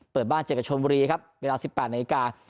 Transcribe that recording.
เปิดบ้านเจอกับชนบุรีครับเวลา๑๘นาฬิกา